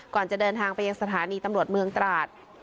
ก่อนจะเดินทางไปยังสถานีตำรวจเมืองตราด